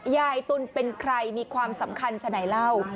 ยายตุลเป็นใครมีความสำคัญฉะไหนเล่า